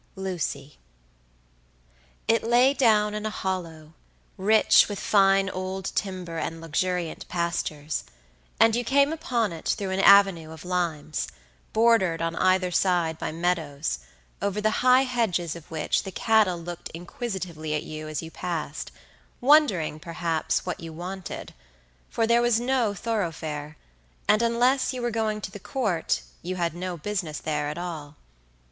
LUCY. It lay down in a hollow, rich with fine old timber and luxuriant pastures; and you came upon it through an avenue of limes, bordered on either side by meadows, over the high hedges of which the cattle looked inquisitively at you as you passed, wondering, perhaps, what you wanted; for there was no thorough fare, and unless you were going to the Court you had no business there at all.